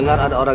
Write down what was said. siapa dia kakek